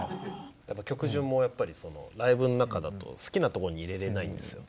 曲順もライブの中だと好きなとこに入れれないんですよ。